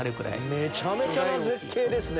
めちゃめちゃな絶景ですね